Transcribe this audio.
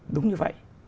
đúng như vậy